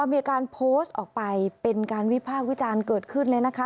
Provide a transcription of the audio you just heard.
มีการโพสต์ออกไปเป็นการวิพากษ์วิจารณ์เกิดขึ้นเลยนะคะ